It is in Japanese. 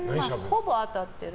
ほぼ当たってる。